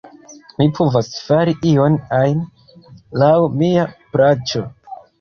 Mi povas fari ion ajn, laŭ mia plaĉo.